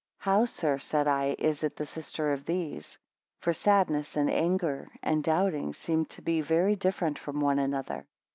How, sir, said I is it the sister of these? For sadness, and anger, and doubting, seem to me to be very different from one another.